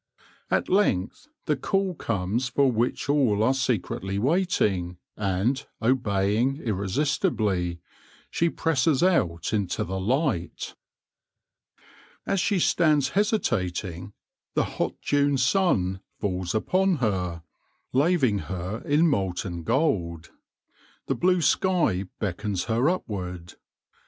At length the call comes for which all are secretly waiting, and, obeying irresistibly, she presses out into the light. As she stands hesitating, the hot June sun falls upon her, laving her in molten gold. The blue sky beckons her upward.